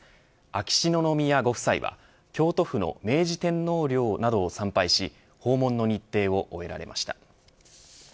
秋篠宮ご夫妻は京都府の明治天皇陵などを参拝し訪問の日程を終えられました。